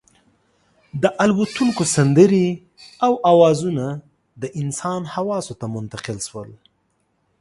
د الوتونکو سندرې او اوازونه د انسان حواسو ته منتقل شول.